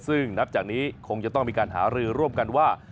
ซึ่งนับจากนี้คงจะต้องมีการหารือร่วมกันว่า